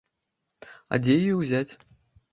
А дзе яе ўзяць?